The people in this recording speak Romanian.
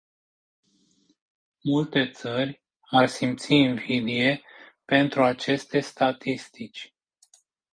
Multe țări ar simți invidie pentru aceste statistici.